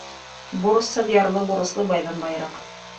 Бурысһыҙ ярлы бурыслы байҙан байыраҡ.